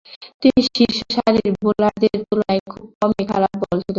তিনি শীর্ষসারির বোলারদের তুলনায় খুব কমই খারাপ বল ছুঁড়েছেন।